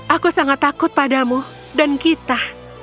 aku sangat takut padamu dan kita